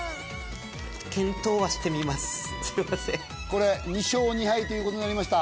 これ２勝２敗という事になりました。